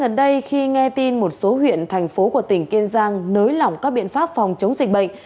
gần đây khi nghe tin một số huyện thành phố của tỉnh kiên giang nới lỏng các biện pháp phòng chống dịch bệnh